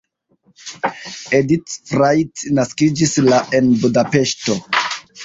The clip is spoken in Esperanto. Edit Frajt naskiĝis la en Budapeŝto.